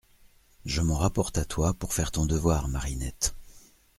Je m’en rapporte à toi pour faire ton devoir, Marinette…